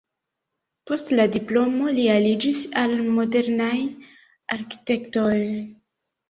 Post la diplomo li aliĝis al modernaj arkitektoj.